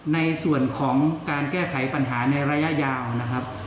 ในส่วนของการแก้ไขปัญหาในระยะยาวนะครับ